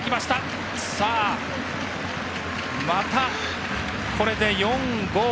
また、これで４、５、６、７。